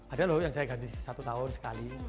ada loh yang saya ganti satu tahun sekali